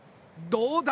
どうだ？